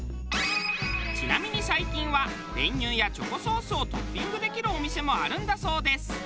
ちなみに最近は練乳やチョコソースをトッピングできるお店もあるんだそうです。